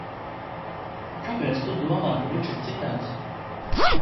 Kāpēc tu domā, ka viņš ir citāds?